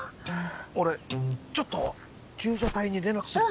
俺ちょっと救助隊に連絡するよ。